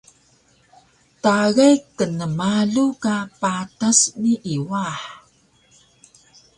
tagay knmalu ka patas nii wah!